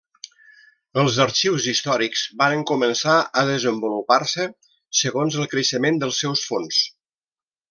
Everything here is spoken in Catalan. Els arxius històrics varen començar a desenvolupar-se segons el creixement dels seus fons.